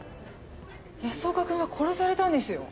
安岡くんは殺されたんですよ。